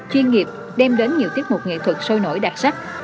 chuyên nghiệp đem đến nhiều tiết mục nghệ thuật sôi nổi đặc sắc